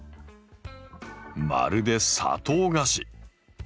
まるで砂糖菓子。